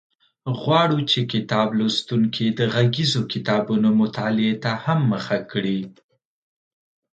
غواړو چې کتاب لوستونکي د غږیزو کتابونو مطالعې ته هم مخه کړي.